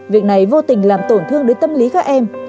việc này vô tình làm tổn thương đến tâm lý các em